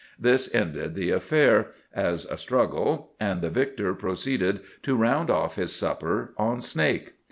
This ended the affair, as a struggle, and the victor proceeded to round off his supper on snake.